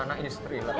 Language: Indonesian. sudah bisa dinikmati